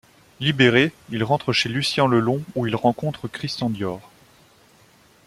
Libéré, il rentre chez Lucien Lelong où il rencontre Christian Dior.